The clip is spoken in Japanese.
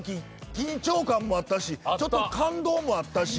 緊張感もあったし感動もあったし。